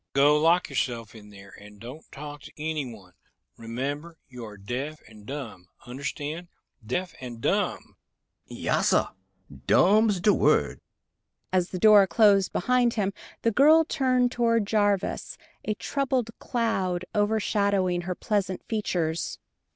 "Go lock yourself in there, and don't talk to anyone. Remember you are deaf and dumb. Understand, deaf and dumb!" "Yassir dumb's de word!" As the door closed behind him, the girl turned toward Jarvis, a troubled cloud overshadowing her pleasant features.